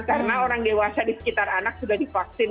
karena orang dewasa di sekitar anak sudah di vaksin